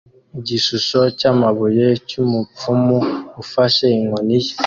Igishusho cyamabuye cyumupfumu ufashe inkoni ye